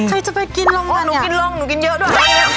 ใครจะไปกินลองกันอ่ะอ้อหนูกินลองหนูกินเยอะด้วยอ่ะ